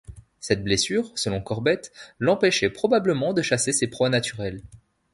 Cette blessure, selon Corbett, l'empêchait probablement de chasser ses proies naturelles.